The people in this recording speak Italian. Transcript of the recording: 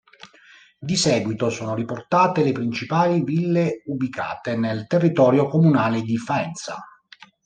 Di seguito sono riportate le principali ville ubicate nel territorio comunale di Faenza.